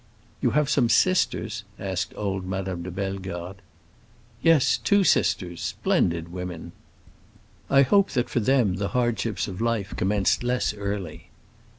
"You have some sisters?" asked old Madame de Bellegarde. "Yes, two sisters. Splendid women!" "I hope that for them the hardships of life commenced less early."